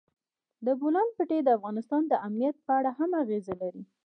د بولان پټي د افغانستان د امنیت په اړه هم اغېز لري.